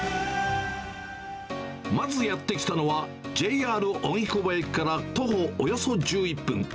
まずやって来たのは、ＪＲ荻窪駅から徒歩およそ１１分。